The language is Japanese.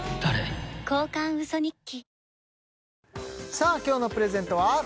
さあ今日のプレゼントは？